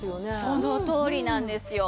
そのとおりなんですよ。